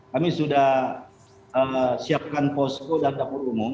kami sudah siapkan posko dan dapur umum